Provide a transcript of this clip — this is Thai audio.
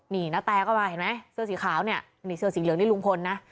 นี่ณแตก็มาเห็นไหมเสื้อสีขาวเนี่ยนี่เสื้อสีเหลืองนี่ลุงพลนะ